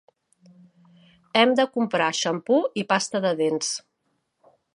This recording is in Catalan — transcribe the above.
Hem de comprar xampú i pasta de dents.